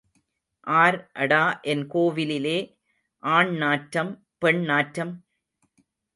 R அடா என் கோவிலிலே ஆண் நாற்றம், பெண் நாற்றம்?